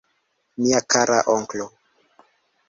Mia kara onklo!